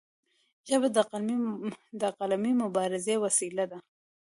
ژبه د قلمي مبارزې وسیله ده.